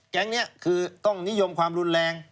แก๊งนี้คือต้องนิยมความรุนแรง